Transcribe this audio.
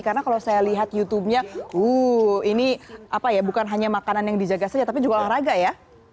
karena kalau saya lihat youtubenya ini bukan hanya makanan yang dijaga saja tapi juga olahraga ya